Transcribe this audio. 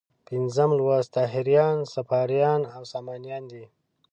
پنځم لوست طاهریان، صفاریان او سامانیان دي.